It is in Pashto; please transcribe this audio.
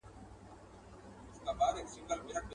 راښكاره سوې سرې لمبې ياغي اورونه.